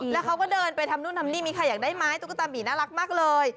แล้วเขาก็เดินไปทำนู่นทำนี่มีใครอยากได้ไม้ตุ๊กตาหมี่น่ารักมากเลย